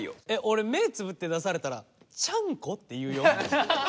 俺目ぇつぶって出されたらちゃんこ？って言うよ。